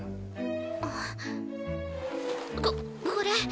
あっここれ。